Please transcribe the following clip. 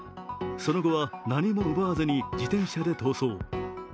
その後は何も奪わずに自転車で逃走。